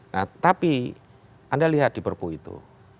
nah tapi anda lihat di perpu itu